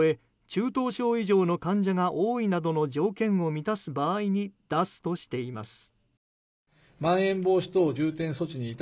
中等症以上の患者が多いなどの条件を満たす場合に出すとしています。